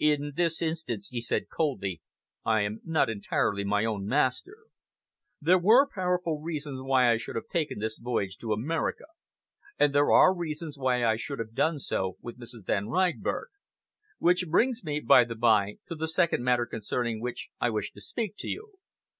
"In this instance," he said coldly, "I am not entirely my own master. There were powerful reasons why I should have taken this voyage to America, and there are reasons why I should have done so with Mrs. Van Reinberg. Which brings me, by the bye, to the second matter concerning which I wished to speak to you."